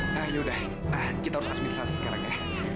nah yaudah kita harus administrasi sekarang ya